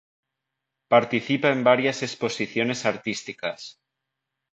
Participa en varias exposiciones artísticas.